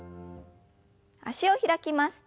脚を開きます。